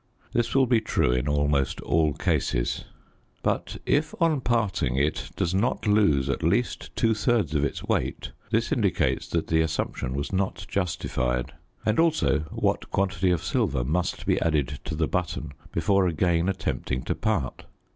This will be true in almost all cases. But if, on parting, it does not lose at least two thirds of its weight, this indicates that the assumption was not justified; and also what quantity of silver must be added to the button before again attempting to part.